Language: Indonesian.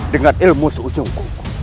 dengan ilmu seujung kuku